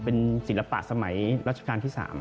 เป็นศิลปะสมัยรัชกาลที่๓